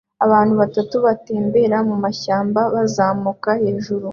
Abantu batatu batembera mumashyamba bazamuka hejuru